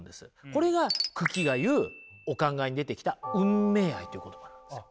これが九鬼が言うお考えに出てきた「運命愛」っていう言葉なんですよ。